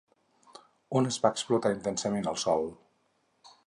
On es va explotar intensament el sòl?